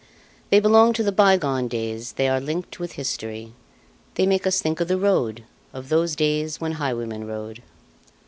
They belong to the bygone days, they are linked with history. They make us think of the Road, of those days when highwaymen rode.